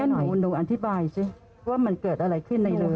นี่หนูหนูอธิบายใช่ไหมว่ามันเกิดอะไรขึ้นในเรือ